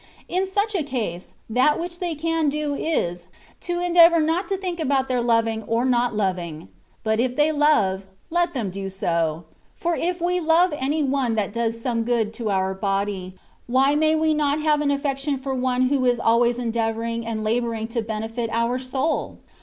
In such a case, that which they can do is, to endeavour not to think about their loving or not loving : but if they love — ^let them do so ; for if we love any one that does some good to our body, why may we not have an affection for one who is always endeavouring and labouring to benefit our soTil